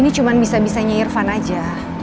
dia cuma bisa bisanya irfan aja